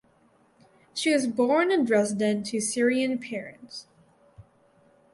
She was born in Dresden to Syrian parents.